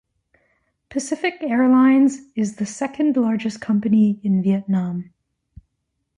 Pacific Airlines is the second largest company in Vietnam.